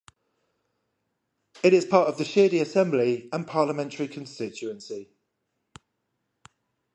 It is part of the Shirdi assembly and parliamentary constituency.